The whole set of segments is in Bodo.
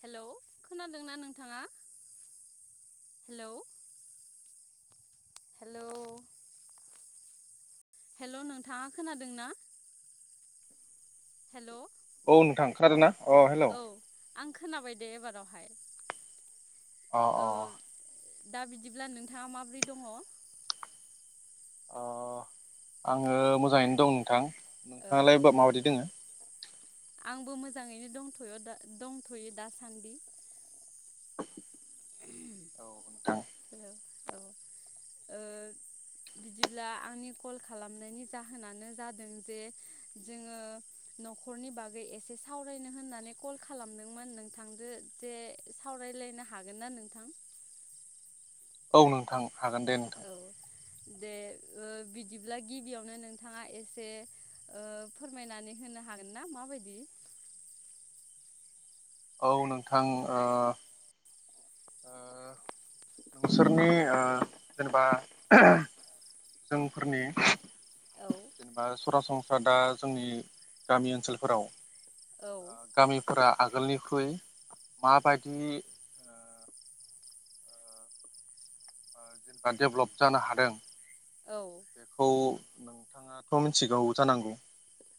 हेलौ खोनादोंना नोंथाङा हेलौ हेलौ हेलौ नोंथाङा खोनादों ना औ नोंथां आरोना अ हेलौ औ आं खोनाबाय दे एबारावहाय अ औ अ दा बिदिब्ला नोंथाङा माबोरै दङ आं आङो मोजाङैनो दं नोंथां नोंथाङालाय माबायदि दङ बो मोजाङैनो दंथ'यो दंथ'यो दासान्दि औ नोंथां औ बिदिब्ला आंनि कल खालामनायनि जाहोनानो जादों जे जोङो न'खरनि बागै एसे सावरायनो होननानै कल खालामदोंमोन नोंथांजों जे सावरायलायनो हागोन ना नोंथां औ नोंथां हागोन दे नोंथां औ दे बिदिब्ला गिबियावनो नोंथाङा एसे ओ फोरमायनानै होनो हागोन ना माबायदि औ नोंथां ओ नोंसोरनि ओ जेनेबा जोंफोरनि औ जेनेबा सरासन दा जोंनि गामि ओनसोलफोराव औ गामिफोरा आगोलनिख्रुइ माबायदि जेनेबा डेभलप जानो हादों औ बेखौ नोंथाङाथ' मिथिगौ जानांगौ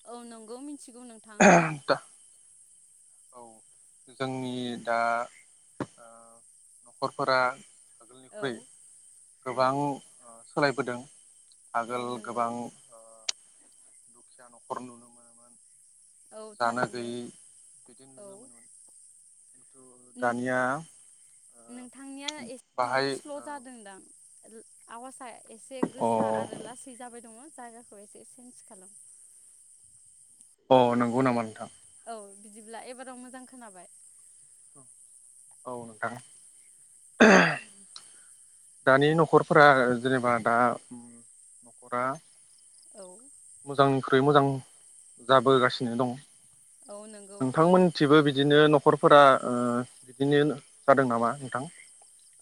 औ नंगौ मिथिगौ नोंथां औ जोंनि दा ओ न'खरफोरा औ आगोलनिख्रुइ औ गोबां सोलायबोदों औ आगोल नंगौ गोबां ओ दुखिया न'खर नुनो मोनोमोन औ जानो थारैनो गैयै बिदि औ नुनो मोनोमोन खिन्थु नों दानिया नोंथांनिया ओ बाहाय ओ। आवासा। एसे गोसा आरो लासै जाबाय दङो। जायगाखौ एसे सेन्ज खालाम। अ नंगौ नामा नोंथां। औ बिदिब्ला एबाराव मोजां खोनाबाय। औ नोंथां दानि न'खरफोरा जेनेबा दा न'खरा। औ। मोजांनिख्रुइ मोजां जाबोगासिनो दं। औ नंगौ नोंथांमोनथिबो बिदि। बिदिनो न'खरफोरा ओ बिनिनो जादों नामा नोंथां?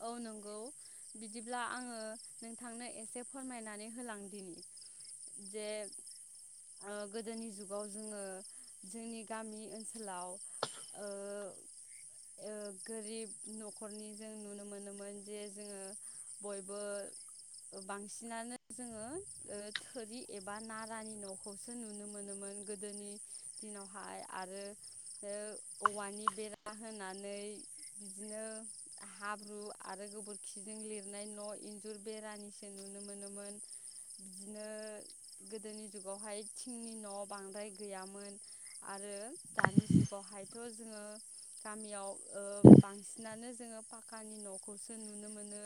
औ नंगौ बिदिब्ला आङो नोंथांनो एसे फोरमायनानै होलां दिनि जे ओ गोदोनि जुगाव जोङो जोंनि गामि ओनसोलाव ओ-ओ गोरिब न'खरनि जों नुनो। मोनोमोन जे जोङो बयबो बांसिनानो जोङो ओ थोरि एबा नारानि न'खौसो नुनो मोनोमोन गोदोनि दिनावहाय आरो ओ औवानि बेरा होनानै बिदिनो। हाब्रु आरो गोबोरखिजों लिरनाय न' इन्जुर बेरानिसो नुनो मोनोमोन बिदिनो गोदोनि जुगावहाय थिंनि न' बांद्राय गैयामोन आरो दानि जुगावहायथ' जोङो गामियाव ओ बांसिनानो जोङो पाक्का। पाक्कानि न'खौसो नुनो मोनो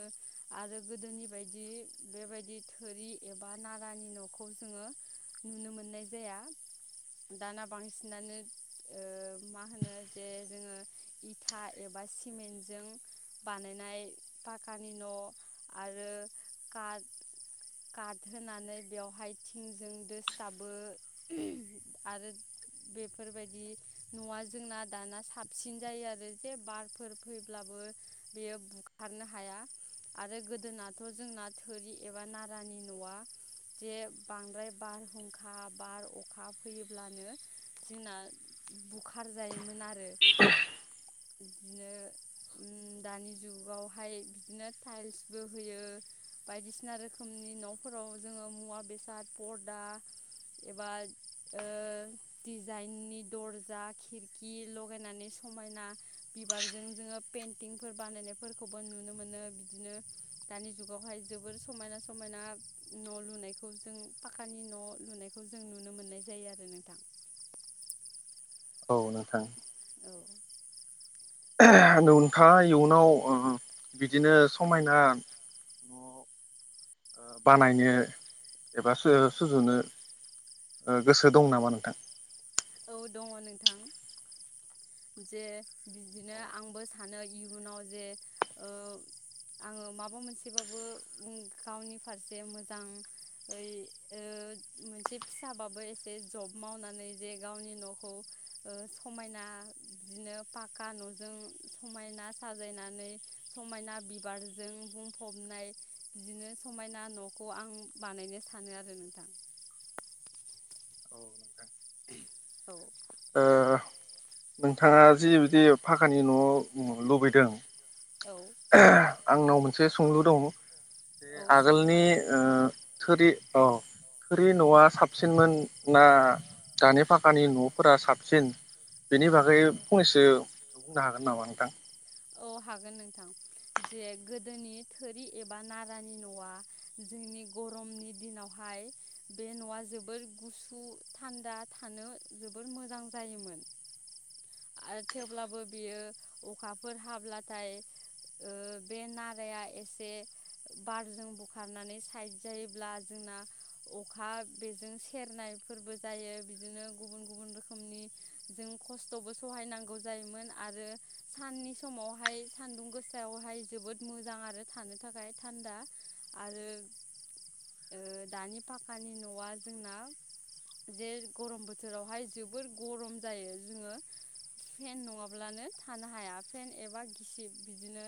आरो गोदोनि बायदि बेबायदि थोरि एबा नारानि न'खौ जोङो नुनो मोननाय जाया दाना बांसिनानो ओ मा होनो जे जोङो इथा एबा सिमेन्टजों। बानायनाय पाकानि न' आरो काट काट होनानै बेवहाय थिंजों दोसताबो [unintelligible] आरो बेफोरबायदि न'आ जोंना दाना साबसिन जायो आरो जे बारफोर फैब्लाबो। बेयो बुखारनो हाया आरो गोदोनाथ' जोंना थोरि एबा नारानि न'आ जे बांद्राय बारहुंखा, बार, अखा फैयोब्लानो जोंना बुखार जायोमोन आरो बिदिनो। दानि जुगावहाय बिदिनो टाइल्सबो होयो बायदिसिना रोखोमनि न'फोराव जोङो मुवा बेसाद पर्दा एबा ओ डिजाइननि दर्जा खिरखि लगायनानै समायना बिबारजों जोङो पेइन्त। टिंफोर बानायनायफोरखौबो नुनो मोनो बिदिनो दानि जुगावहाय जोबोर समायना-समायना न' लुनायखौ जों पाक्कानि न' लुनायखौ जों नुनो मोननाय जायो आरो नोंथां। औ नोंथां। औ। [unintelligible] नोंथाङा इयुनाव ओ बिदिनो समायना न' ओ बानायनो एबा सु-सुजुनो ओ गोसो दं नामा नोंथां? औ दङ नोंथां जे बिदिनो आंबो सानो इयुनाव जे ओ आङो माबा मोनसेबाबो ओं गावनि फारसे मोजाङै ओ मोनसे फिसाबाबो एसे जब मावनानै। जे गावनि न'खौ ओ समायना बिदिनो पाक्का न'जों समायना साजायनानै समायना बिबारजों बुंफबनाय बिदिनो समायना न'खौ आं बानायनो सानो आरो नोंथां। औ। ओ नोंथाङा जि बिदि फाखानि न' लुबैदों। औ। आंनाव मोनसे सोंलु दङ'। बे औ सोंनो आगोलनि हागोन ओ। थोरि अ थोरि न'आ साबसिनमोन ना दानि पाक्कानि न'फोरा साबसिन? बेनि बागै फंनैसो। बुंनो हागोन नामा नोंथां? औ हागोन नोंथां जे गोदोनि थोरि एबा नारानि न'आ जोंनि गरमनि दिनावहाय बे न'आ जोबोर गुसु थान्दा थानो जोबोर मोजां जायोमोन आ थेवब्लाबो बेयो अखा। फोर हाब्लाथाय बे ओ नाराया एसे बारजों बुखारनानै साइद जायोब्ला जोंना अखा बेजों सेरनायफोरबो जायो बिदिनो गुबुन गुबुन रोखोमनि जों खस्त'बो सहायनांगौ जायोमोन आरो साननि। समावहाय सान्दुं गोसायावहाय जोबोद मोजां आरो थानो थाखाय थान्दा आरो ओ दानि पाक्कानि न'आ जोंना जे गरम बोथोरावहाय जोबोर गरम जायो जोङो फेन नङाब्लानो थानो हाया। फेन एबा गिसिब बिदिनो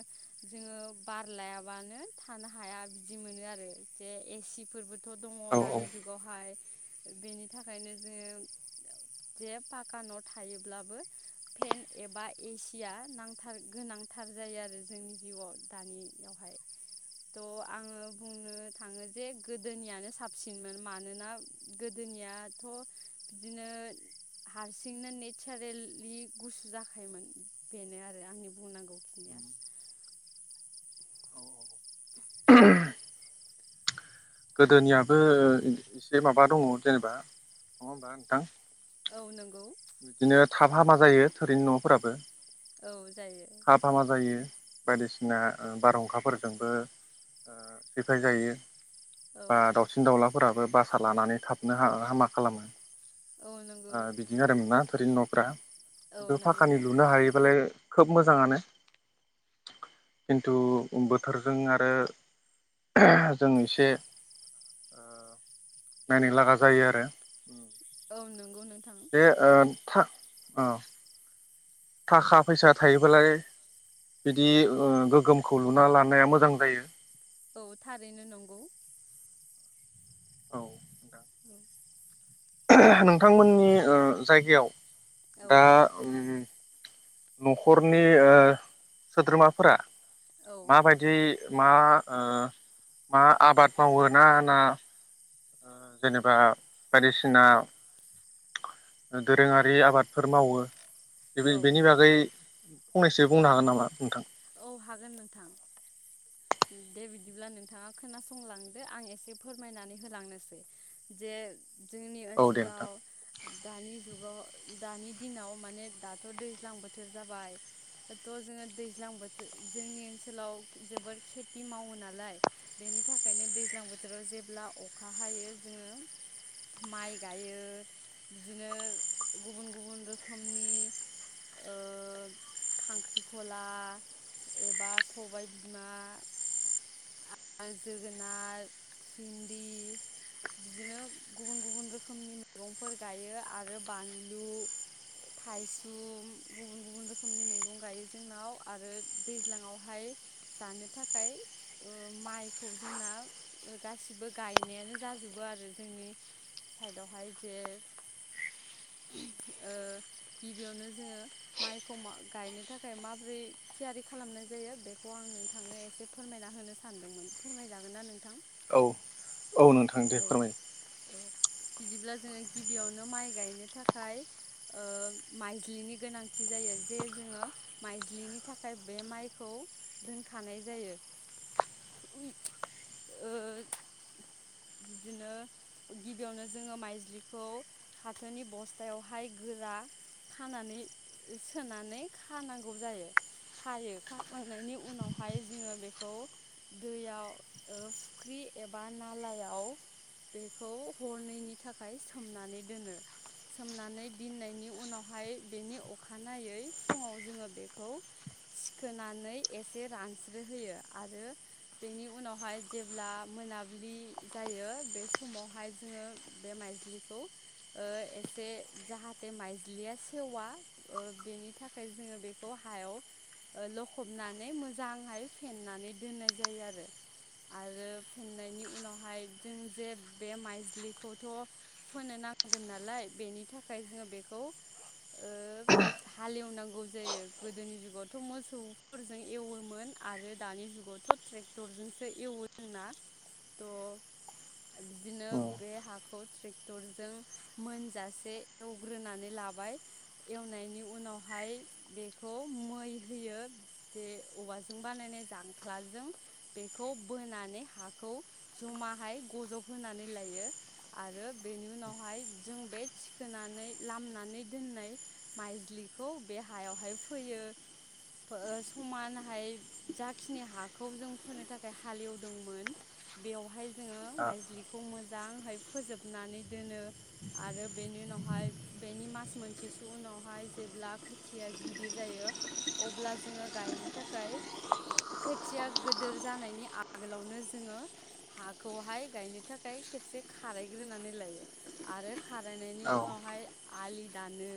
जोङो बार लायाबानो थानो हाया बिदि मोनो आरो जे ए सि फोरबो। थ' दङ औ औ दानि जुगावहाय। बेनि थाखायनो जोङो जे पाक्का न' थायोब्लाबो फेन एबा एसिया नां। थार गोनांथार जायो आरो जोंनि जिउआव दानियावहाय त' आङो बुंनो थाङो जे गोदोनियानो साबसिनमोन मानोना गोदोनियाथ' बिदिनो हारसिंनो नेतसारेलि गुसु जाखायोमोन बेनो आरो। आंनि बुंनांगौखिनिया। औ औ ओ। गोदोनियाबो ओ एसे माबा दङ जेनेबा नङा होमबा नोंथां? औ नोंगौ। बिदिनो थाब हामा जायो थोरिनि न'फोराबो। औ जायो थाब हामा जायो बायदिसिना ओ बारहुंखाफोरजोंबो ओ सिफाय जायो औ बा दाउसिन दाउला फोराबो बासा लानानै थाबनो हा-हामा खालामो औ नोंगौ मा थोरिनि न'फ्रा खिन्थु फाखानि लुनो हायोबालाय खोब मोजाङानो खिन्थु बोथोरजों आरो जों एसे नायनो लागा जायो आरो औ नंगौ नंगौ था औ थाखा फैसा थायोब्लाालाय बिदि गोगोमखौ लुना लानाया मोजां जायो औ थारैनो नंगौ औ [unintelligible] नोंथांमोननि ओ जायगायाव औ औ दा उम न'खरनि आ सोद्रोमाफोरा मा बायदि मा ओ मा आबाद मावो ना जेनेबा बायदिसिना दोरोङारि आबादफोर मावो औ बेनि बागै फंनैसो बुंनो हागोन नामा नोंथां औ हागोन नोंथां दे बिदिब्ला नोंथाङा खोनासंलांदो आं एसे फोरमायनानै होलांनोसै जे जोंनि औ दे नोंथां ओनसोलाव दानि जुगाव दानि दिनाव माने दाथ' दैज्लां बोथोर जाबाय थ' जोङो दै दैज्लां बोथोर जोंनि ओनसोलाव जोबोर खेथि मावो नालाय बेनि थाखायनो दैज्लां बोथोराव जेब्ला अखा हायो जोङो माइ गायो बिदिनो गुबुन गुबुन रोखोमनि ओ खांख्रिखला एबा सबाय बिमा जोगोनार भिन्दि बिदिनो गुबुन गुबुन रोखोमनि मैगंफोर गायो आरो बानलु थाइसुम गुबुन गुबुन रोखोमनि मैगं गायो जोंनाव आरो दैज्लाङावहाय जानो थाखाय ओ माइखौ जोंना गासिबो गायनायानो जाजोबो आरो जोंनि साइडआवहाय जे गिबियावनो ओ जोङो माइखौ गायनो थाखाय थाखाय माबोरै थियारि खालामनाय जायो बेखौ आं नोंथांनो एसे फोरमायना होनो सानदोंमोन फोरमायजागोन ना नोंथां औ औ नोंथां दे औ फोरमायदो ओ बिदिब्ला जोङो गिबियावनो माइ गायनो थाखाय ओ माइज्लिनि गोनांथि जायो जे जोङो माइज्लिनि थाखाय बे माइखौ दोनखानाय जायो ओ बिदिनो गिबियावनो जोङो माइज्लिखौ फाथोनि बस्थायावहाय गोरा खानानै सोनानै खानांगौ जायो खायो खाखांनायनि उनावहाय जोङो बेखौ दैयाव ओ फुख्रि एबा नालायाव बेखौ हरनैनायनि थाखाय सोमनानै दोनो सोमनानै दिननायनि उनावहाय बेनि अखानायै फुङाव जोङो बेखौ थिखोनानै एसे रानस्रो होयो आरो बेनि उनावहाय जेब्ला मोनाब्लि जायो बे समावहाय जोङो बे माइज्लिखौ ओ एसे जाहाथे माइज्लिया सेवा ओ बेनि नि थाखाय जोङो बेखौ हायाव लखबनानै मोजांहाय फेनानै दोननाय जायो आरो आरो फेनायनि उनावहाय जों जे बे माइज्लिखौथ' फोनो नांगोन नालाय बेनि थाखाय जोङो बेखौ ओ हालेवनांगौ जायो गोदोनि जुगावथ' मोसौफोरजों एवोमोन आरो दानि जुगावथ' ट्रेक्टरजोंसो एवो जोंना थ' बिदिनो औ बे हाखौ ट्रेक्टरजों मोनजासे एवग्रोनानै लाबाय एवनायनि उन उनावहाय बेखौ मै होयो जे औवाजों बानायनाय जांख्लाजों बेखौ बोनानै हाखौ जमाहाय गजबहोनानै लायो आरो बेनि उनावहाय जों बे थिखोनानै लामनानै दोननाय माइज्लि खौ बे हायावहाय फोयो समानहाय जाखिनि हाखौ जों फोनो थाखाय हालेवदोंमोन बेयावहाय। जोङो औ माइजलिखौ मोजां मोजांहाय फोजोबनानै दोनो आरो बेनि उनावहाय बेनि मास मोनसेसो उनावहाय। जेब्ला खोथिया गिदिर जायो अब्ला जोङो गायनो थाखाय खोथिया गोदोर जानायनि आगोलावनो जोङो हाखौहाय गायनो थाखाय खेबसे खारायग्रोनानै लायो आरो। खारायनायनि औ उनावहाय आलि दानो।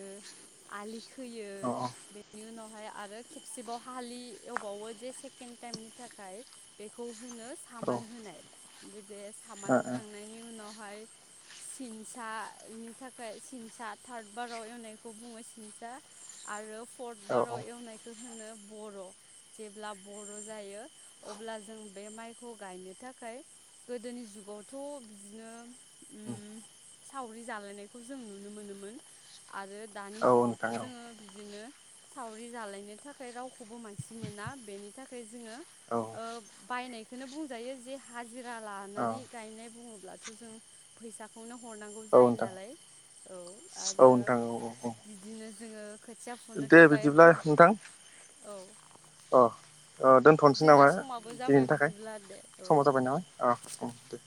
आलि होयो औ बेनि उनाव। हाय आरो खेबसेबाव हालि एवबावो जे सेकेणड टाइमनि थाखाय बेखौ होनो सामान होनाय। बिद जे सामान होखांनायनि उनाव। महाय सिनसानि थाखाय सिनसा थार्द बाराव एवनायखौ बुंङो सि सिंसा आरो औ पटबाराव एवनायखो होनो बर जेब्ला बर जायो अब्ला जों बे माइखौ गाइनो थाखाय गोदोनि जुगावथ' बिदिनो ओम सावरि जालायनायखौ जों नुनो मोनोमोन। आरो दा औ जुगावथ नोंथां औ जोंङो बिदिनो। सावरि जालायनो थाखाय रावखौबो मानसि मोना बेनि थाखाय जों। जोंङो औ ओ बायनाय। बेखौनो बुंजायो जे हा जिरा औ लानानै गायनाय बुंङोब्ला। ब्ला जों फैसाखौनो हरनांगौ औ जायो नोंथां नालाय औ औ आरो। नोंथां औ औ बिदिनो जोंङो। खोथिया फुनो औ दे थाखाय बिदिब्ला हौ नोंथां औ। ओ दोन्थनोसै नामा जोंना समाबो जाबाय दिनैनि थाखाय बिदिब्ला दे औ समाव जाबाय नामा आ ओ दे।